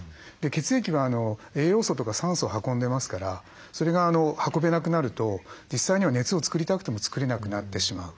血液は栄養素とか酸素を運んでますからそれが運べなくなると実際には熱を作りたくても作れなくなってしまう。